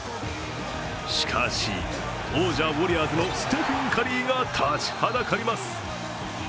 しかし、王者・ウォリアーズのステフィン・カリーが立ちはだかります。